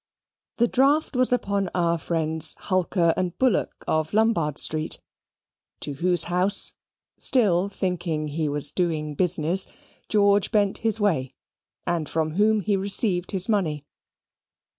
The draft was upon our friends Hulker and Bullock of Lombard Street, to whose house, still thinking he was doing business, George bent his way, and from whom he received his money.